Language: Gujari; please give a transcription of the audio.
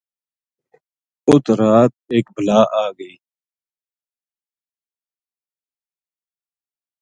اُت رات ایک بلا آ گئی